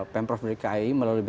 pm prof melalui kai melalui